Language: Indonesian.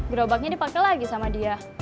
gerobaknya dipakai lagi sama dia